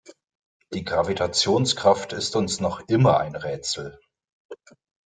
Die Gravitationskraft ist uns noch immer ein Rätsel.